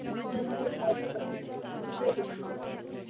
নিয়মিত সাহিত্যচর্চা করতেন।